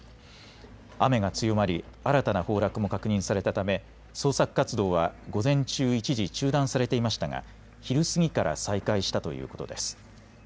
雨が強まり、新たな崩落も確認されたため捜索活動は午前中、一時中断されていましたが昼過ぎから再開したということです。